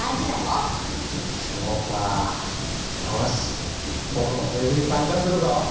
そうかよしぼくも政治に参加するぞ！